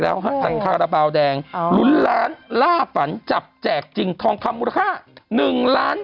แล้วฮะหลังคาราบาลแดงลุ้นล้านล่าฝันจับแจกจริงทองคำมูลค่า๑ล้าน